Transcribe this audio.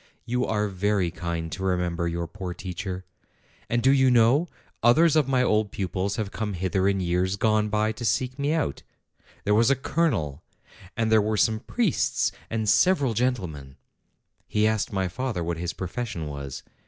You are very kind to remember your poor teacher. And do you know, others of my old pupils have come hither in years gone by to seek me out : there was a colonel, and there were some priests, and several gentlemen." He asked my father what his profession was.